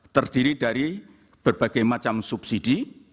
terdiri dari berbagai macam subsidi